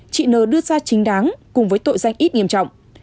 chị n đưa ra chính đáng cùng với tội danh ít nghiêm trọng